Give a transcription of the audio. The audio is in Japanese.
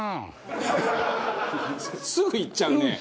「すぐ行っちゃうね！